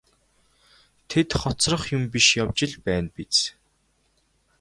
Тэд хоцрох юм биш явж л байна биз.